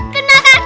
tahan tahan tahan